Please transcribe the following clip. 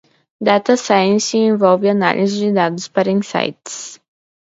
Data Science envolve análise de dados para insights.